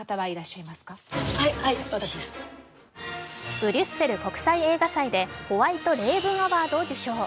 ブリュッセル国際映画祭でホワイト・レイヴン・アワードを受賞。